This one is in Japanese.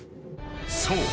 ［そう。